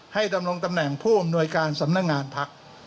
ดำรงตำแหน่งผู้อำนวยการสำนักงานพัก